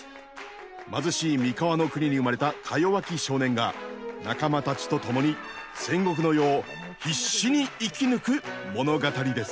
貧しい三河の国に生まれたかよわき少年が仲間たちと共に戦国の世を必死に生き抜く物語です。